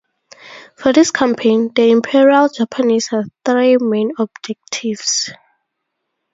For this campaign, the Imperial Japanese had three main objectives.